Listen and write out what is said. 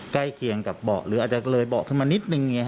ใกล้เคียงกับเบาะหรืออาจจะเลยเบาะขึ้นมานิดนึง